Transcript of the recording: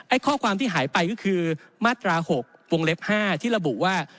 ไอ้ข้อความที่หายไปก็คือมาตรา๖๕ที่ระบุว่า